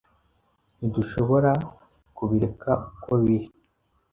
Ntidushobora kubireka uko biri?